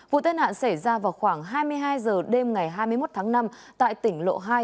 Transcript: vụ tai nạn xảy ra vào khoảng hai mươi hai h đêm ngày hai mươi một tháng năm tại tỉnh lộ hai